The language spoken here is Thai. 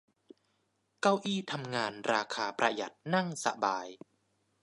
เก้าอี้ทำงานราคาประหยัด นั่งสบาย